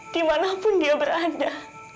dimanapun dia berada